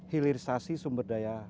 hilirisasi sumber daya